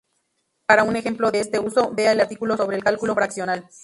Para un ejemplo de este uso, vea el artículo sobre cálculo fraccional.